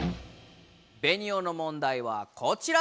ベニオの問題はこちら。